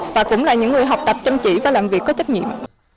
và cũng là những người học tập chăm chỉ và làm việc có trách nhiệm